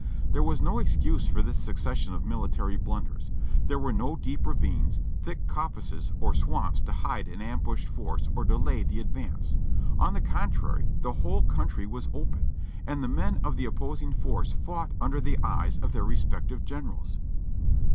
There was no excuse for this succession of military blunders ; there were no deep ravines, thick coppices or swamps to hide an ambushed force or delay the advance ; on the contrary, the whole country was open, and the men of the opposing force fought under the eyes of their respective generals.